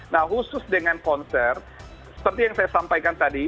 nah khusus dengan konser seperti yang saya sampaikan tadi